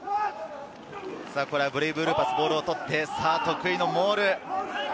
ブレイブルーパス、ボールを取って、得意のモール。